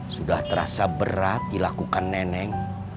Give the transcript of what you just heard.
sudah terasa berat dilakukan neneng